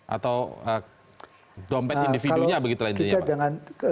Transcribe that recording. atau dompet individunya begitu lainnya ya pak